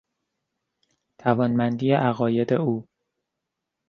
توانمندی عقاید او